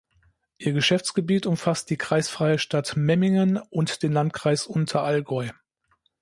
Ihr Geschäftsgebiet umfasst die kreisfreie Stadt Memmingen und den Landkreis Unterallgäu.